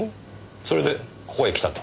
それでここへ来たと。